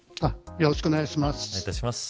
よろしくお願いします。